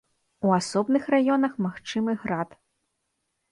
У асобных раёнах магчымы град.